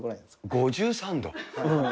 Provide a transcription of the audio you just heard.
５３度？